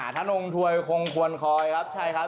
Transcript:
ทะนงถวยท้องวานคอยครับใช่ครับ